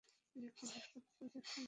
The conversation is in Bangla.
তিনি এখানে হাসপাতাল পরিদর্শন করেন।